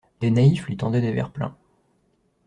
Des naïfs lui tendaient des verres pleins.